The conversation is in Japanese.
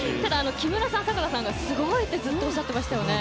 木村さん、迫田さんがすごいとずっとおっしゃっていましたよね。